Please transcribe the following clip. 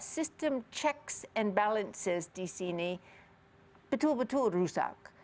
sistem checks and balances di sini betul betul rusak